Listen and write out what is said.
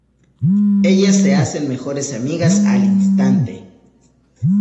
Ellas se hacen mejores amigas al instante.